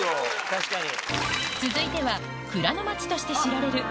確かに。